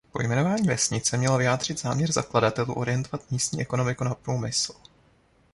Pojmenování vesnice mělo vyjádřit záměr zakladatelů orientovat místní ekonomiku na průmysl.